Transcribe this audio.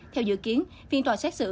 theo dự kiến phiên tòa xét xử